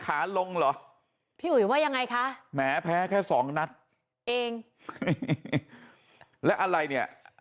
ขาลงเหรอพี่อุ๋ยว่ายังไงคะแหมแพ้แค่สองนัดเองแล้วอะไรเนี่ย